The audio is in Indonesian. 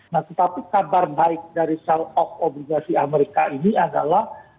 nah tetapi kabar baik dari sell of obligasi amerika ini adalah